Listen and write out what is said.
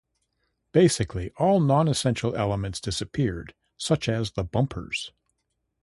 Basically all non-essential elements disappeared, such as the bumpers.